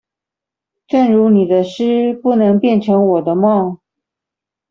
正如你的詩不能變成我的夢